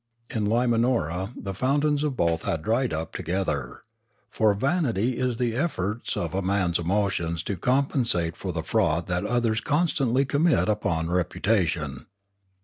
In Limanora the fountains of both had dried up together. For vanity is the effort of a man's emotions to compensate for the fraud that others con stantly commit upon reputation.